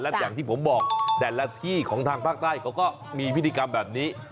อย่างที่ผมบอกแต่ละที่ของทางภาคใต้เขาก็มีพิธีกรรมแบบนี้